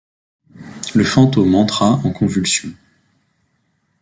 Le fantôme entra en convulsion.